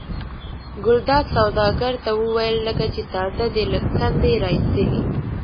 ګلداد سوداګر ته وویل لکه چې تازه دې له کندې را ایستلي.